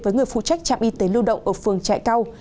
với người phụ trách trạm y tế lưu động ở phường trại cao